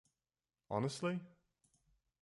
Honestly?